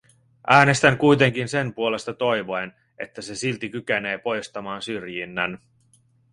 Äänestän kuitenkin sen puolesta toivoen, että se silti kykenee poistamaan syrjinnän.